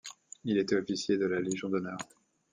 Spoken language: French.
Il était Officier de la Légion d'honneur.